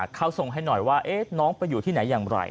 เขาส่งให้หน่อยว่าน้องไปอยู่ที่ไหนอย่างไร